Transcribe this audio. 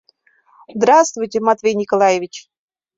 — Здравствуйте, Матвей Николаевич!